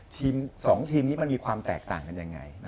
๒ทีมนี้มันมีความแตกต่างกันยังไง